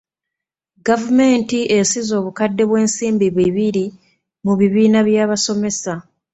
Gavumenti esize obukadde bw'ensimbi bibiri mu bibiina by'abasomesa.